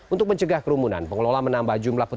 untuk mencegah kerumunan pengelola menambah jumlah petugas